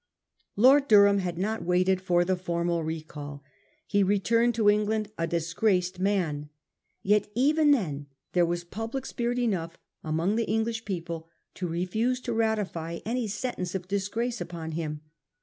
Lord Durham had not waited for the formal recall. He returned to England a disgraced man. Yet even then there was public spirit enough among the English people to refuse to ratify any sentence of disgrace upon him.